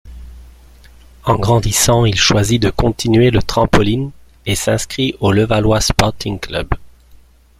En grandissant, il choisit de continuer le trampoline et s'inscrit au Levallois Sporting Club.